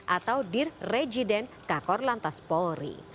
atau dir rejiden kakor lantas polri